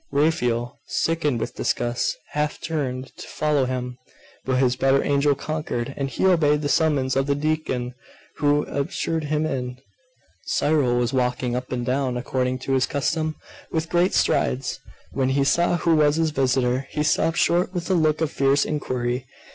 Raphael, sickened with disgust, half turned to follow him: but his better angel conquered, and he obeyed the summons of the deacon who ushered him in. Cyril was walking up and down, according to his custom, with great strides. When he saw who was his visitor, he stopped short with a look of fierce inquiry.